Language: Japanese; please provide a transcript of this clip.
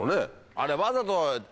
あれわざと。